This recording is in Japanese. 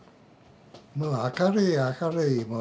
もう明るい明るいもう。